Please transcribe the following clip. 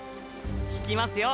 引きますよ？